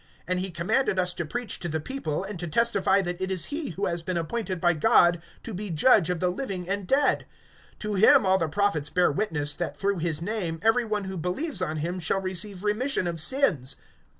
(42)And he commanded us to preach to the people, and to testify that it is he who has been appointed by God to be Judge of the living and dead. (43)To him all the prophets bear witness, that through his name every one who believes on him shall receive remission of sins.